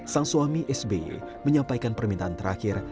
sang suami sby menyampaikan permintaan terakhir